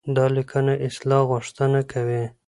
دا ليکنه د اصلاح غوښتنه کوي.